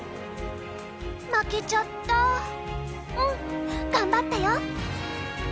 負けちゃったうん頑張ったよ！